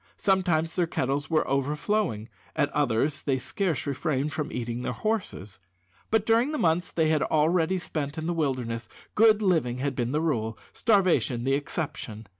Sometimes their kettles were overflowing; at others they scarce refrained from eating their horses. But during the months they had already spent in the wilderness good living had been the rule, starvation the exception.